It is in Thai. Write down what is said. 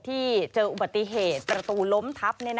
ที่เจออุบัติเหตุประตูล้มทับ